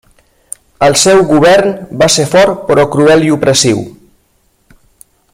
El seu govern va ser fort però cruel i opressiu.